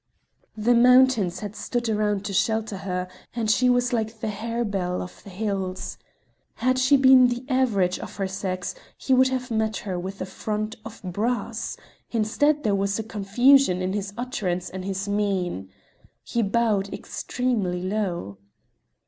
The mountains had stood around to shelter her, and she was like the harebell of the hills. Had she been the average of her sex he would have met her with a front of brass; instead there was confusion in his utterance and his mien. He bowed extremely low.